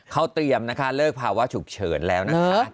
เขาเตรียมนะคะเลิกภาวะฉุกเฉินแล้วนะคะ